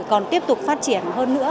còn tiếp tục phát triển